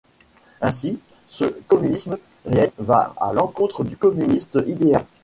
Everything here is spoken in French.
Ainsi, ce communisme réel va à l'encontre du communisme idéal.